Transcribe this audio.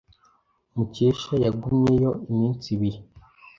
Mukesha yagumyeyo iminsi ibiri.